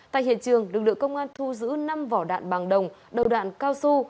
tại hiện trường lực lượng công an thu giữ năm vỏ đạn bằng đồng đầu đạn cao su